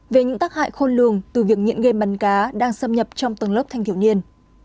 về những tác hại khôn lường từ việc nghiện game bắn cá đang xâm nhập trong tầng lớp thanh thiếu niên